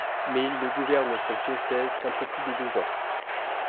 Mais il ne gouverne son diocèse qu'un peu plus de deux ans.